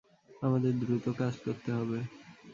আমাদের দ্রুত কাজ করতে হবে।